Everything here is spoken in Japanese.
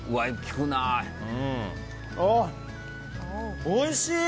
ああおいしい！